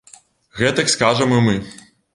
Гэтак скажам і мы.